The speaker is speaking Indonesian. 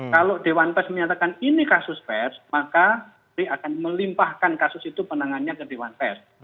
kalau dewan pers menyatakan ini kasus pers makari akan melimpahkan kasus itu penanganannya ke dewan pers